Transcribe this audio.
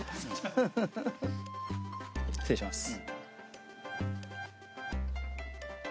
失礼します。